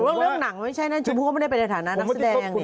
พูดถึงเรื่องหนังไม่ใช่นะชุมภูมิก็ไม่ได้ไปในฐานะนักแสดง